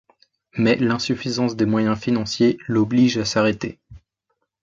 Mais l'insuffisance des moyens financiers l'oblige à s’arrêter.